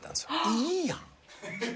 いいやん。